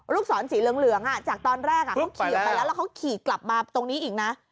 ศรสีเหลืองจากตอนแรกเขาขี่ออกไปแล้วแล้วเขาขี่กลับมาตรงนี้อีกนะ